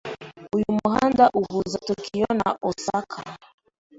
Uyu muhanda uhuza Tokiyo na Osaka.